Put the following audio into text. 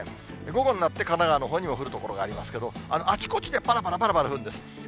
午後になって神奈川のほうにも降る所がありますけど、あちこちでぱらぱらぱらぱら降るんです。